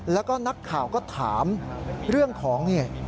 แล้วก็นักข่าวก็ถามเรื่องของนี่